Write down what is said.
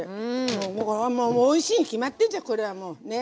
もうおいしいに決まってんじゃんこれはもうね。